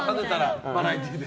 バラエティーで。